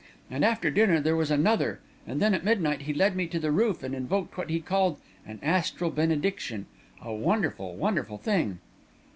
And after dinner, there was another; and then at midnight he led me to the roof and invoked what he called an astral benediction a wonderful, wonderful thing...."